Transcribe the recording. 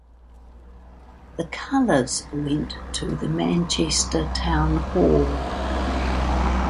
The colours went to the Manchester Town Hall.